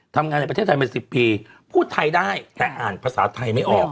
ในประเทศไทยมา๑๐ปีพูดไทยได้แต่อ่านภาษาไทยไม่ออก